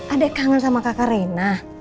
ada kangen sama kakak reina